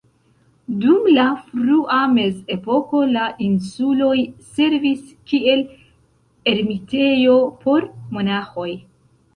Dum la frua mezepoko la insuloj servis kiel ermitejo por monaĥoj.